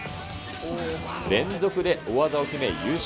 連続で大技を決め優勝。